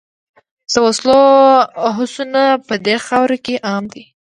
د وسلو هوسونه په دې خاوره کې عام دي.